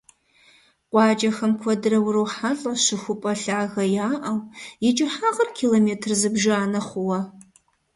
КъуакӀэхэм куэдрэ урохьэлӀэ щыхупӀэ лъагэ яӀэу, и кӀыхьагъыр километр зыбжанэ хъууэ.